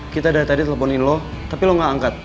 kita dari tadi teleponin lo tapi lo gak angkat